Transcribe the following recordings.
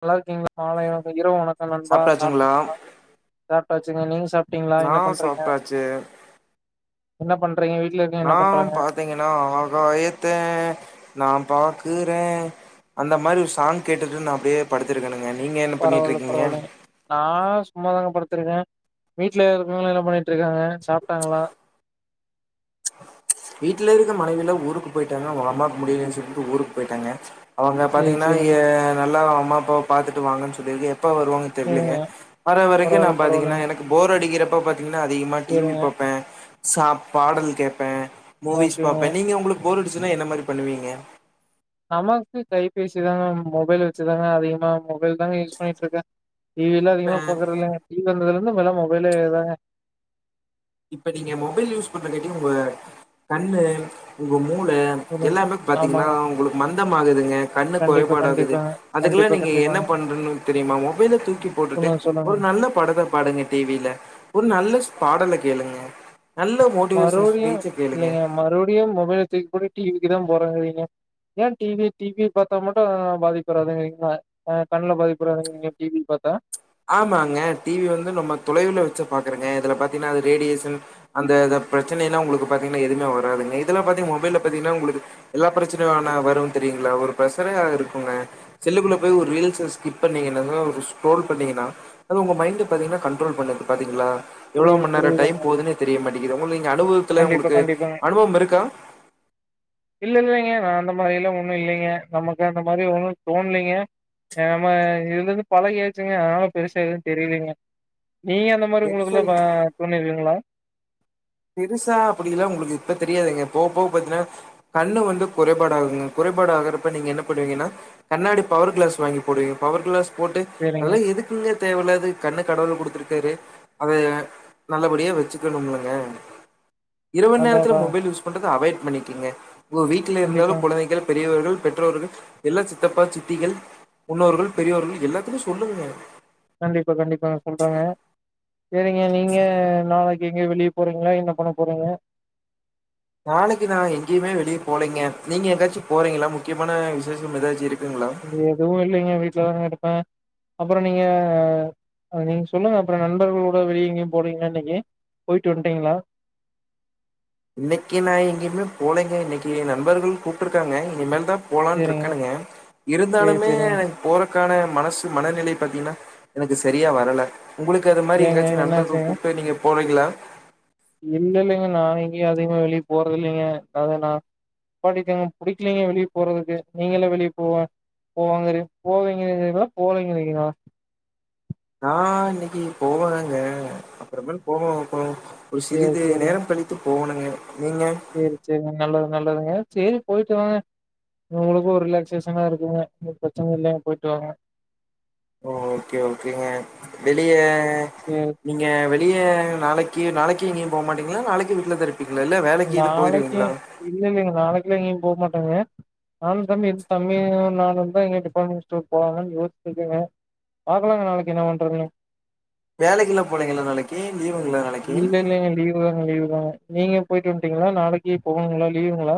நல்லா இருக்கீங்களா மாலை வணக்கோ இரவு வணக்க நண்பா சாப்ட்டாச்சுங்களா சாப்டிங்கள சாப்டாசுங்க நீங்க சா டிங்களா நா என்ன பண்றீங்க சாப்ட்டாச்சு என்னப் பண்றீங்க வீட்டுல இரு நா பாத்தீங்கன்னா ஆகாயத்த நா பாக்குறே அந்த மாரி ஒரு சாங் கேட்டுட்டு நா அப்டியே படுத்திருக்கணுங்க நீங்க என்ன பண்ணிட்டு இருக்கீங்க நான் சும்மாதாங்க படுத்திருக்கே வீட்ல இருக்கவங்கள என்ன பண்ணிட்டு இருக்காங்க சாப்ட்டாங்களா வீட்டுல இருக்க மனைவியல்லா ஊருக்கு போயிட்டாங்க அவங்க அம்மாவுக்கு முடியலன்னு சொல்லிட்டு ஊருக்கு போயிட்டாங்க அவங்க சேரி பாத்தீங்கன்னா சேரிங்க எ நல்லா அம்மா அப்பா பாத்துட்டு வாங்கன்னு சொல்லிருக்கு எப்ப வருவாங்க தெரியலங்க சேரிங்க வர வரைக்கு நா பரவால்ல பாத்தீங்கன்னா பரவால்லைங்க எனக் போர் அடிக்கிறப்ப பாத்தீங்கன்னா அதிகமா டி வி சேரிங்க பாப்பே சா பாடல் கேட்பே மூவிஸ் ஓகேங்க பாப்பே நீங்க உங்களுக்கு போர்டிச்சுன்னா என்ன மாரி பண்ணுவீங்க நமக்கு கைபேசி தாங்க மொபைல் வச்சுதாங்க அதிகமா மொபைல் தாங்க யூஸ் பண்ணிட்டு இருக்கே டி வி எல்லா இப்ப அதிகமா பாக்கறது இல்லங்க டி வி வந்ததுல இருந்து இப்பெல்லா மொபைலே தாங்க இப்ப நீங்க மொபைல் யூஸ் பண்ற கட்டி உங்க கண்ணு உங்க மூள சொல்லுங்க. எல்லாமே பாத்தீங்கன்னா ஆமாங்க உங்களுக்கு மந்தம் ஆகுதுங்க கண்ணு கண்டிப்பா கொறைபாடாகுது கண்டிப்பாங்க அதுக்கெல்லா கண்டிப்பா நீங்க என்ன கண்டிப்பாங்க பண்றன்னு தெரியுமா மொபைல்ல தூக்கி போட்டுட்டு சொல்லுங்க சொல்லுங்க ஒரு நல்ல படத்த பாடுங்க டி வி ல ஒரு நல்ல சா பாடல கேளுங்க நல்ல மோட்டிவேஷன் ஸ்பீச்ச கேளுங்க அப்டிய மொபைல தூக்கி போட்டு டி விக்கு தா போறங்கிறீங்க ஏ டி வி டி வி பாத்தா மட்டு பாதிப்பு வரதுங்கிறிங்களா அ கண்ணல பாதிப்பு வரதாங்கள டி வி பாத்தா ஆமாங்க டி வி வந்து நம்ம தொலைவுல வச்ச பாக்குறங்க இதுல பாத்தீங்கன்னா அது ரேடியேஷன் அந்த இத பிரச்சனையெல்லா உங்களுக்கு பாத்தீங்கன்னா எதுவுமே வராதுங்க இதெல்லா பாத்தீங்க மொபைல்ல பாத்தீங்கன்னா உங்களுக்கு எல்லா பிரச்சனையு ஆனா வரு தெரியுங்களா ஒரு பிரசனையா இருக்குங்க செல்லுக்குள்ள போய் ஒரு ரீல்ஸா ஸ்கிப் பண்ணீங்கனது ஒரு ஸ்குரோல் பண்ணீங்கன்னா அது உங்க மைண்ட பாத்தீங்கன்னா கண்ட்ரோல் பண்ணுது பாத்தீங்களா எவ்வளவு புரியுது மணி நேர டைம் புரியுதுங்க போகுதுன்னே தெரிய மாட்டேக்கிது உங்களுக்கு இங்க அனுபவத்துல கண்டிப்பா உங்களுக்கு கண்டிப்பாங்க அனுபவம் இருக்கா இல்ல இல்லங்க நா அந்த மாரி எல்லா ஒண்ணு இல்லங்க நமக்கு அந்த மாரி ஒன்னு தோணலங்க நம் இதுல இருந்து பழகியசுங்க அதனால பெருசா எதுவு தெரியலங்க நீங்க அந்த இந்த மாரி உங்களுக்குல்ல பெருசா ப தோணிருக்கிங்களா பெருசா அப்டில்லா உங்களுக்கு இப்ப தெரியாதுங்க போவ போவ பாத்தீன்னா கண்ணு வந்து குறைபாடு ஆகுங்க குறைபாடு ஆகுறப்ப நீங்க என்ன பண்ணுவீங்கன்னா கண்ணாடி பவர் கிளாஸ் வாங்கி போடுவீங்க பவர் கிளாஸ் போட்டு சேரிங்க அதல்ல எதுக் ங்க தேவயில்லாது கண்ணு கடவுள் குடுத்துருக்காரு அத நல்லபடியா வச்சுக்கணும்லங்க இரவு அதா நேரத்துல அதா மொபைல் யூஸ் பண்றது அவாய்ட் பண்ணிக்கிங்க உங்க வீட்ல இருந்தாலு கண்டிப்பா குழந்தைகள் பெரியவர்கள் பெற்றோர்கள் எல்லா சித்தப்பா சித்திகள் முன்னோர்கள் பெரியோர்கள் எல்லாத்துக்கு சொல்லுங்க கண்டிப்பா கண்டிப்பாங்க சொல்றாங்க செரிங்க நீங்க நாளைக்கு எங்க வெளிய போறீங்களா என்ன பண்ண போறீங்க நாளைக்கு நா எங்கேயுமே வெளியே போலங்க நீங்க எங்காயாச்சு போறீங்களா முக்கியமான விசேஷம் ஏதாச்சு இருக்குங்களா எதுவு இல்லேங்க வீட்டுலதாங்க இருப்பே அப்பற நீங்க நீங்க சொல்லுங்க அப்பறோ நண்பர்களோட வெளியெங்கயு போறிங்களா இன்னைக்கு போயிட்டு வன்டீங்களா இன்னைக்கு நான் எங்கேமே போலங்க இன்னைக்கு ஏ நண்பர்கள் கூப்ட்டு இருக்காங்க இனி மேல தா போலான்ட்டு சேரிங்க இருக்கனுங்க சேரி இருந்தாலுமே சேரிங்க போறக்கான மனசு மனநிலை பாத்தீங்கன்னா எனக்கு செரியா வரல உங்களுக்கு அது மாரி ஏங்க எங்காச்சு நண்பர்கள் என்னாச்சுங்க கூப்ட்டு நீங்க போரிங்களா இல்ல இல்லைங்க நான் எங்கேயு அதிகமா வெளியே போறத இல்லங்க அத நா நிப்பாட்டிடங்க புடிக்கலிங்க வெளியே போறதுக்கு நீங்கல்லா வெளியே போவே போவாங்க போவேன்ங்கறிங்களா போலேங்கிரிங்களா நா இன்னைக்கு போறங்க அப்புறமா மேல் போவோ ஒரு சேரி சிறிது நேரம் கழித் த்து போணுங்க நீங்க செரி செரி நல்லது நல்லதுங்க செரி போயிட்டு வாங்க உங்களுக்கு ஒரு ரிலாக்சேஷனா இருக்குங்க பிரச்சன இல்லங்க போயிட்டு வாங்க ஓக்கே ஓக்கேங்க வெளிய சேரி நீங்க வெ ளிய நாளைக்கு நாளைக்கு எங்கயிம் போ மாட்டீங்களா நாளைக்கு வீட்டிலதா இருப்பிங்களா இல்ல வேலைக்கு எது போயிடுவீங்களா இல்லங்க நாளைக்குல்லா எங்கேயு போ மாட்டாங்க நானும் தம்பி தம்பியு நானுந்தா இங்க டிபார்ட்மெண்ட் ஸ்டோர் போலாமனு யோசிச்சிட்டு இருக்கங்க பாக்கலாங்க நாளைக்கு என்ன பண்றதுன்னு வேலைக்கு எல்லா போலங்களா நாளைக்கு லீவுங்கள நாளைக்கு இல்லங்க லீவு இல்லங்க லீவு தா நீங்க போயிட்டு வன்டீங்களா நாளைக்கு போணுங்களா லீவுங்களா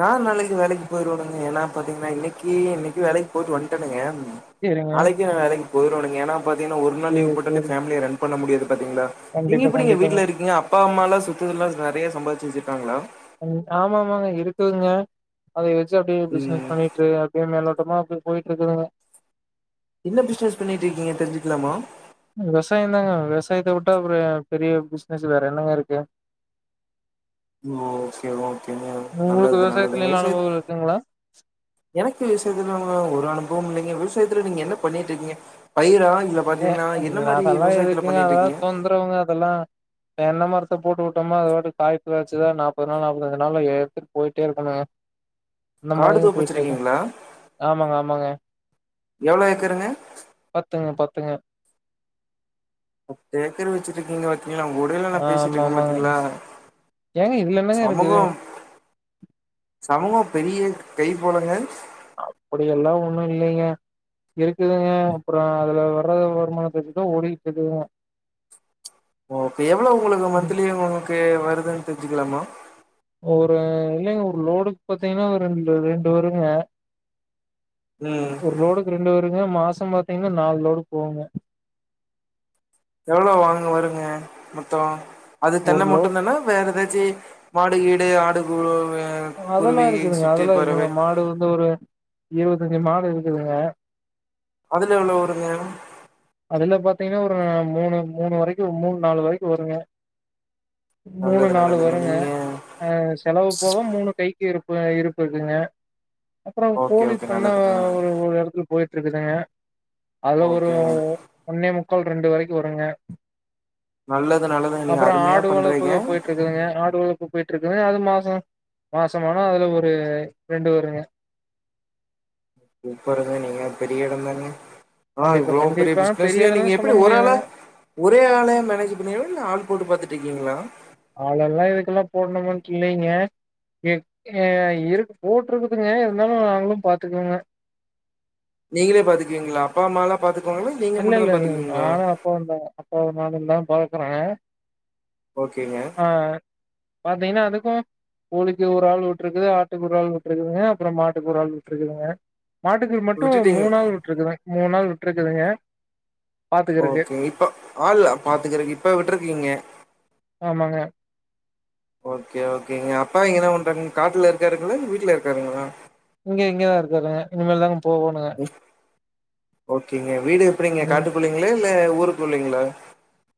நா நாளைக்கு வேலைக்கு போயிடுவணுங்க ஏன்னா பாத்தீங்கன்னா இன்னைக்கி இன்னக்கி வேலைக்கு போயிட்டு வன்டனுங்க சேரிங்க நாளைக்கு வேலைக்கு போயிடுவனுங்க ஏன்னா பாத்தீன்னா ஒரு நாள் லீவு சேரி போட்டாலே சேரி ஃபேமிலிய ரன் பண்ண முடியாது பாத்தீங்களா நீங்க கண்டிப்பா எப்டிங்க கண்டிப்பாங்க வீட்ல இருக்கீங்க அப்பா அம்மாலா சொத்து எல்லா நெறைய சம்பாதிச்சு வெச்சுருக்கங்களா ஆமா ஆமாங்க இருக்குதுங்க அத வெச்சு அப்டியே பிச்னஸ் ம் பண்ணி அப்டியே மேலோட்டமா அப்டியே போயிட்டு இருக்குதுங்க என்ன பிச்னஸ் பண்ணிட்டு இருக்கீங்க தெரிஞ்சுக்கலாமா விவசாய தாங்க விவசாயத்த விட்டா அப்றோ பெரிய பிசினஸ் வேற என்னங்க இருக்கு ஓகே ஓகேங்க உங்களுக்கு நல்லது நல்லதுங்க விவசாயத்துல எல்லா விவசாயத் அனுபவம் இருக்குங்களா எனக்கு விவசாயத்துல ஒரு அனுபவம் இல்லைங்க விவசாயத்துல நீங்க என்ன பண்ணிட்டு இருக்கீங்க பயிரா இல்ல சேரி பாத்தீங்கன்னா என்ன இதுல மாரி அதெல்லா விவசாயத்துல எதுக்குங்க பண்ணிட்டு அதவேற இருக்கீங்க தொந்தரவுங்க அதெல்லா தென்ன மரத்த போட்டு விட்டோம அது பாட்டுக்கு காய்ப்பு காய்ச்சுதா நாப்பது நாள் நாப்பத்து அஞ்சு நாள்ல எடுத்துட்டு போயிட்டே இருக்கணுங்க அந்த காடு மாரிங்க தோப்பு போயிட்டு இருக்க வச்சிருக்கீங்களா ஆமாங்க ஆமாங்க எவ்ளோ ஏக்கருங்க பாத்துங்க பாத்துங்க முப்பது ஏக்கர் வச்சிட்ருக்கிங்க வ பாத்திங்ளா உங்க கூடயில நா பேசிட்டு ஆமா இருக்க ஆமாங்க பாத்தீங்களா ஏங்க இதுல என்னங்க இருக்குது சமூகம் சமூகம் பெரிய கை போலங்க அப்படி எல்லா ஒண்ணு இல்லிங்க இருக்குதுங்க அப்றோ அதுல வர்றது வருமானத்த வச்சுதா ஓடிகிட்டு இருக்குதுங்க ஓ இப்ப எவ்ளோ உங்களுக்கு மந்த்லி உங்களுக்கு வருதுன்னு தெரிஞ்சுக்கலாமா ஒரு இல்லைங்க ஒரு லோடுக்கு பாத்தீங்கனா ஒரு ரெண்டு ரெண்டு வருங்க ம் ஒரு லோடுக்கு ரெண்டு வருங்க மாசம் பாத்தீங்கனா நாலு லோடு போவுங்க எவ்ளோ வாங் வருங்க மொத்தோ அது ஒரு தென்ன லோ மட்டும்தானா வேற ஏதாச்சு மாடு கீடு ஆடு கூட வே அதெல்லா இருக்குதுங்க அதெல்லா இருக்குங்க மாடு வந்து ஒரு இருபத்தஞ்சு மாடு இருக்குதுங்க அதுல எவ்ளோ வருங்க அதுல பாத்தீங்கனா ஒரு மூணு மூணு வரைக்கு மூணு நாலு வரைக்கு வருங்க மூணு நல்லது நாலு நல்லதுங்க வருங்க நீங்க அ செலவு போக மூணு கைக்கு இருப்பு இருப்பு இருக்குங்க அப்பறோ ஓகே கோழி ஓகே பண்ண நல்லது நல்லது ஒரு ஒரு எடத்துல போயிட்டு இருக்குதுங்க அதுல ஒரு ஓகேங்க ஒன்னே முக்கால் ரெண்டு வரைக்கு வருங்க நல்லது நல்லதுங்க நீங்க அப்பறோ அருமையா ஆடு வளப்பு பண்றீங்க போயிட்டு இருக்குதுங்க ஆடு வளப்பு போய்ட்டு இருக்குதுங்க அது மாசோ மாசமானா அதுல ஒரு ரெண்டு வருங்க சூப்பருங்க நீங்க பெரிய எடந்தாங்க ஆ கண்டிப்பா இவ்ளோ பெரிய கண்டிப்பா பிசினஸ் நீங்க எடம்னு சொல்ல எப்டி ஓரு ஆளா முடியாதுங்க ஒரே ஆளே மேனேஜ் பண்ணீருவிங்ளா இல்ல ஆள் போட்டு பாத்துட்டு இருக்கீங்களா ஆளெல்லா இதுக்கெல்லா போடணமாட்டு இல்லிங்க எ ஏ இருக் போட்ருக்குதுங்க இருந்தாலு நாங்களு பாத்துக்குவங்க நீங்களே பாத்துக்வீங்களா அப்பா அம்மாலா பாத்துக்குவாங்களா? நீங்க மட்டுந்தா பாத்துக்குவீங்களா? அப்பாவுந்தா, அப்பாவு நானுதா பாக்கற ஓகேங்க ஆ பாத்தீங்கன்னா அதுக்கு கோழிக்கு ஒரு ஆள் விட்டுருக்குது, ஆட்டுக்கு ஒரு ஆள் விட்டுருக்குதுங்க, அப்பறோ மாட்டுக்கு ஒரு ஆள் விட்டுருக்குதுங்க மாட்டுக்கு மட்டு விட்டுட்டீங்க மூணு ஆள் விட்டுருக்குதுங், மூணு ஆள் விட்டுருக்குதுங்க ஓகே இப்ப ஆள் பாத்துக்கறக்கு இப்ப விட்டுருக்கீங்க ஆமாங்க ஓகே ஓகேங்க, அப்பா இங்க என்ன பண்றாங்க காட்டுல இருக்காருங்களா? வீட்ல இருக்காருங்களா? இங்க இங்கதா இருக்காருங்க இனிமேல்தாங்க போகணு ஓகேங்க, வீடு எப்டிங்க ம் காட்டுக்குள்ளைங்களா? இல்ல ஊருக்குள்ளைங்களா?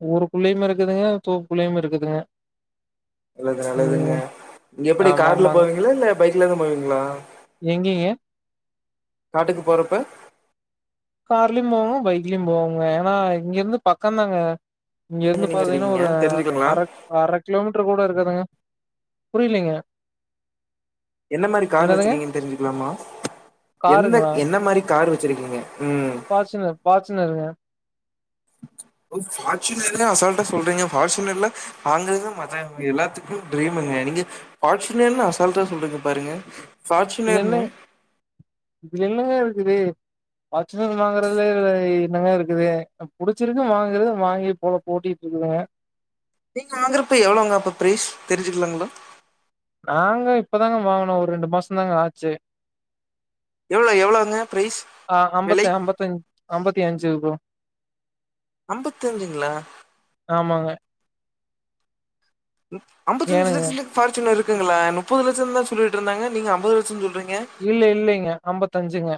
ஊருக்குள்ளயு இருக்குதுங்க, தோப்புகுள்ளயையு இருக்குதுங்க நல்லது நல்லதுங்க ம் இங்க எப்டி ஆமா கார்ல ஆமாங்க போவீங்களா? இல்ல பைக்லதா போவீங்களா? எங்கிங்க காட்டுக்கு போறப்ப கார்லயு போவோ பைக்லயு போவங்க ஏன்னா இங்க இருந்து பக்கோந்தாங்க இங்க எங்க இருந்து நீங்க பாத்தீங்கன்னா வச்சிருக்கீங்க ஒரு தெரிஞ்சுக்கங்களா அரக் அர கிலோமீட்டர் கூட இருக்காதுங்க புரியலீங்க என்ன மாரி கார் என்னதுங்க வச்சிக்கீங்கன்னு தெரிஞ்சுக்கலாமா எந்த காருங்களா என்ன மாரி கார் வச்சிருக்கீங்க ம் பாச்சுனர் பாச்சுனருங்க ஓ ஃபார்ச்சூனர்னா அசால்டா சொல்றீங்க ஃபார்ச்சூனர்ல வாங்குறது ம [unintelligible] எல்லாத்துக்கு ட்ரீமுங்க நீங்க ஃபார்ச்சூனர்ன்னு அசால்டா சொல்ரிங்க பாருங்க இதுலென்ன ஃபார்ச்சுனர்னு இதுலென்னங்க இருக்குது ஃபார்ச்சுனர் வாங்குறதுல இதுல என்னங்க இருக்குது அ புடிச்சிருக்கு வாங்குறத வாங்கி பொழப் போட்டிட்ருக்குதுங்க நீங்க வாங்கறப்ப எவ்ளோங்க அப்ப ப்ரைஸ் தெரிஞ்சுக்லாங்ளா நாங்க இப்பதாங்க வாங்குனோ ஒரு ரெண்டு மாசோ தாங்க ஆச்சு எவ்ளோ எவ்ளோங்க பிரைஸ் ஆ அம்பத்த விலை அம்பத்தஞ் அம்பத்தி அஞ்சு ப்ரோ அம்பத்தஞ்சுங்ளா ஆமாங்க ம் அம்பத்தஞ்சி ஏனுங்க லச்சதுக்கு ஃபார்ச்சுனர்ருக்குங்ளா நுப்பது லட்சனுதா சொல்லிட்ருந்தாங்க நீங்க அம்பது லட்சம்னு சொல்றீங்க இல்ல இல்லிங்க அம்பத்தஞ்சுங்க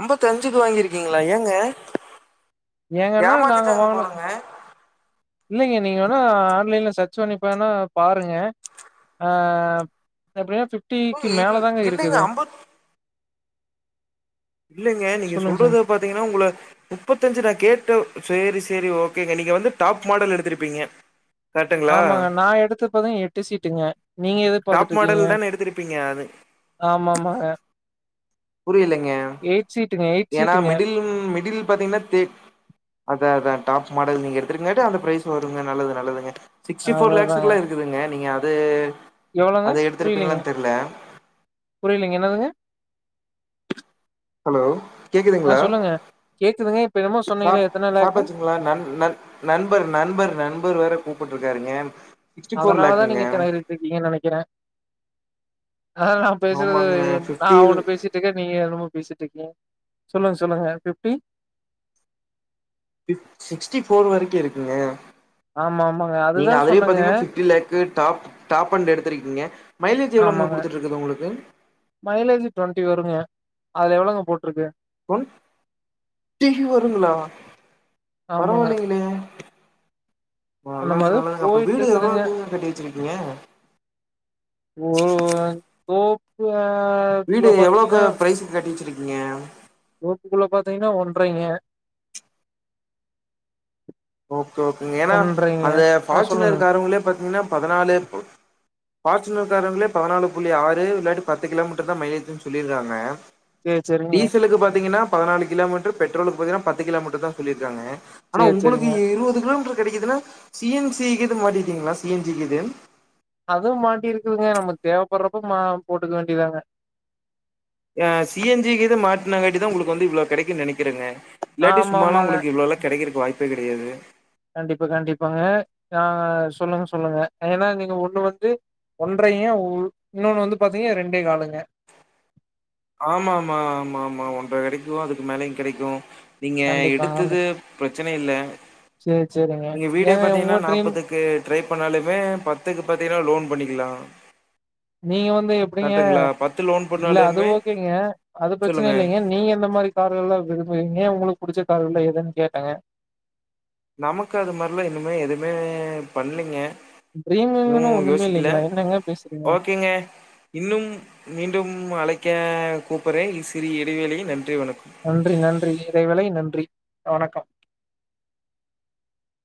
அம்பத்தஞ்சுக்கு வாங்கிருக்கீங்ளா ஏங்க ஏங்கன்னா நாங்க ஏமாத்திட்டாங்க வாங்ன போறங்க இல்லைங்க நீங்க வேணா ஆன்லைன்ல சர்ச் பண்ணிப்பேனா பாருங்க அ எப்டியு ஃபிட்டிக்கு மேலதாங்க இல்லைங்க இருக்குது ஐம்பத் இல்லைங்க நீங்க சொல்லுங்க சார் சொல்றத பாத்தீங்கனா உங்கள முப்பத்தஞ்சு நா கேட்டோ சேரி சேரி ஓகேங்க நீங்க வந்து டாப் மாடல் எடுத்திருப்பீங்க கரெக்ட்டுங்களா ஆமாங்க நா எடுத்தது பாத்தீங்னா எட்டு சீட்டுங்க நீங்க எது டாப் பாத்துட்ருக்கீங்க மாடல் தானே எடுத்திருப்பீங்க அது ஆமாமாங்க புரியலைங்க சீட்டுங்க எயிட் ஏனா சீட்டுங்க மிடில் ம் மிடில் பாத்தீங்கனாத் டிப் அதா அதா டாப் மாடல் நீங்க எடுத்துருக்கங்காட்டி அந்த பிரைஸ் வருங்க நல்லது நல்லதுங்க சிக்ஸ்டி ஃபோர் அதா அதாங்க லேக்ஸுகுலா இருக்குதுங்க நீங்க அது அத எடுத்துருப்பிங்ளான் தெர்ல புரிலிங்க என்னதுங்க ஹலோ அ கேக்குதுங்களா சொல்லுங்க கேக்குதுங்க இப்ப என்னமோ சாப் சொன்னீங்களே எத்தன லேக்கு [unintelligible] நண் நண் நண்பர் நண்பர் நண்பர் வேற கூப்புட்ருக்காருங்க அதனாலதா நீங்க இத்தன இரு இருக்கீங்கன் நெனைக்கிறே அதா நா பேசுறது ஆமாங்க நா ஃபிப்டி ஒன்னு பேசிட் டுக்கே நீங்க என்னமோ பேசிட்ருக்கீங்க சொல்லுங்க சொல்லுங்க ஃபிப்டி ஃபிப் சிக்ஸ்டி ஃபோர் வரைக்கு இருக்குங்க ஆமா ஆமாங்க நீங்க அதுதா அதலியே சொன்னேங்க பாத்தீங்னா ஃபிப்டி லேக் க்கு டாப்புக் டாப்பண்ட்டு எடுத்திருக்கீங்க மைலேஜ் எவ்ளோங்க ஆமாங்க குடுத்துட்ருக்குது உங்ளுக்கு மைலேஜ் டொண்டி வருங்க அதுல எவ்ளோங்க போட்ருக்கு டொண் டி வருங்ளா ஆமாங்க பரவாயில்லைங்களே அந்த நல்லது மாரிதா நல்லதுங்க அப்ப போயிட்டு வீடு இருக்குதுங்க எவ்ளோக்குங்க கட்டி வச்சிருக்கீங்க ஒரு லேக் தோப்பு அ வீடு குள்ள எவ்வளவுக்கு பாத்தீங்கனா பிரைஸ்க்கு கட்டி வச்சிருக்கீங்க தோப்புகுள்ள பாத்தீங்னா ஒன்றைங்க ஓகே ஓகேங்க ஏனா ஒன்றைங்க அந்த ஆ சொல்லுங்க ஃபார்ச்சுனர் காரவங்ளே பாத்தீங்னா பதனாலுப் [inaudible] ஃபார்ச்சுனர் காரங்ளே பதனாலு புள்ளி ஆறு இல்லாட்டி பத்து கிலோமீட்டர்தா மைலேஜின் சொல்லிருக்காங்க சேரி சேரிங்க டீசலுக்கு பாத்தீங்கன்னா பதனாலு கிலோ மீட்டரு பெட்ரோலுக்கு பாத்தீங்கன்னா பத்து கிலோ மீட்டர் தா சொல்லிருக்காங்க ஆனா சேரி உங்களுக்கு சேரிங்க இருவது கிலோ மீட்டர் கெடைக்குதுனா சி என் சி கிது மாட்டிட்டீங்ளா சி என் ஜி கிது அதும் மாட்டிருக்குதுங்க நம்ம தேவப்பட்றப்ப மா போட்டுக்க வேண்டிதாங்க அ சி என் ஜி கிது மாட்டனங்காட்டிதா உங்ளுக்கு வந்து இவ்ளோ கெடைக்குன் நெனைக்கிறங்க இல்லாட்டி ஆமா சும்மாலா ஆமாங்க. உங்ளுக்கு இவ்ளோலா கெடைக்கறக்கு வாய்ப்பே கெடையாது கண்டிப்பா கண்டிப்பாங்க ஆ சொல்லுங்க சொல்லுங்க ஏனா நீங்க ஒன்னு வந்து ஒன்றையு ஒ இன்னொன்னு வந்து பாத்தீங்க ரெண்டே காலுங்க ஆமாமா ஆமாமா ஒன்ற கெடைக்கு அதுக்கு மேலயு கெடைக்கு நீங்க கண்டிப்பாங்க. எடுத்தது பிரச்சனயில்ல சரி, சரிங்க. நீங்க வீடே ஏங்க உங்க பாத்தீங்கன்னா ட்ரீம் நாப்பதுக்கு ட்ரை பண்ணாலுமே பத்துக்கு பாத்தீங்னா லோன் பண்ணிக்லா நீங்க வந்து எப்டீங்க லோன் இல்ல அது பண்ணாலுமே ஓகே ங்க அது பிரச்சன சொல்லுங்க. இல்லைங்க நீ எந்த மாரி கார்கள்ல்ல [inaudible] வெய்ங்க உங்ளுக்கு புடிச்ச காருல்ல எதுன் கேட்டாங்க நமக்கு அது மாரிலா இன்னுமே எதுவுமே பண்லீங்க இன்னு ட்ரீமுங்கன்னு ஒண்ணுமே யோசிக்கல இல்லைங்களா? என்னங்க பேசுறீங்க? ஓகேங்க இன்னும் மீண்டும் அழைக்க கூப்புறே இ சிறிய இடைவேளையில் நன்றி வணக்கம் நன்றி நன்றி இடைவேளை நன்றி வணக்கம்